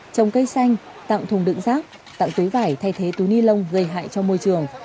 trồng cây xanh tặng thùng đựng rác tặng túi vải thay thế túi ni lông gây hại cho môi trường